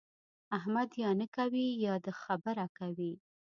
احمد یا نه کوي يا د خبره کوي.